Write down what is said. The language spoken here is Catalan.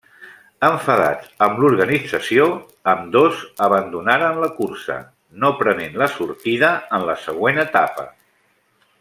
Enfadats amb l'organització ambdós abandonaren la cursa, no prenent la sortida en la següent etapa.